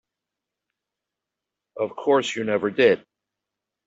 Of course you never did.